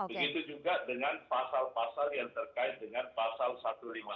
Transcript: begitu juga dengan pasal pasal yang terkait dengan pasal satu ratus lima puluh satu